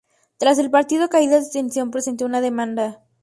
Tras el partido, caídas de tensión presentó una demanda.